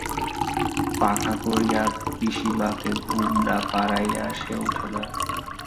পাখা করিয়া পিসীমাকে ঘুম না পাড়াইয়া সে উঠে না।